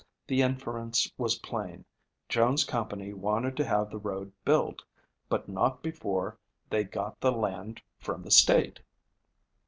The inference was plain, Jones' company wanted to have the road built, but not before they got the land from the state."